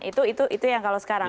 itu itu itu yang kalau sekarang